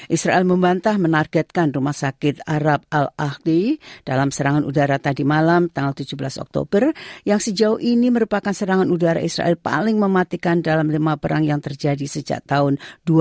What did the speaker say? israel membantah menargetkan rumah sakit arab al ahli dalam serangan udara tadi malam tanggal tujuh belas oktober yang sejauh ini merupakan serangan udara israel paling mematikan dalam lima perang yang terjadi sejak tahun dua ribu